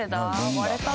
割れたぞ。